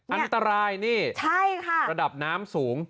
อันตรายนี่ระดับน้ำสูง